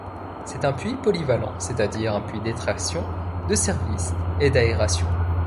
C'est un puits polyvalent, c’est-à-dire un puits d'extraction, de service et d'aération.